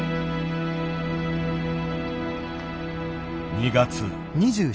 ２月。